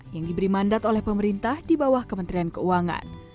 yang diberi mandat oleh pemerintah di bawah kementerian keuangan